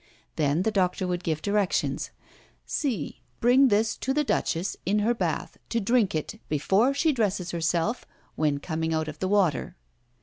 Then the doctor would give directions: "See! Bring this to the Duchess in her bath, to drink it, before she dresses herself, when coming out of the water."